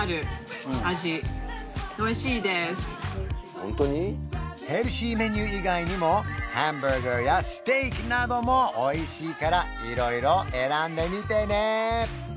うんヘルシーメニュー以外にもハンバーガーやステーキなどもおいしいから色々選んでみてね